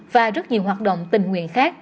và rất nhiều hoạt động tình nguyện khác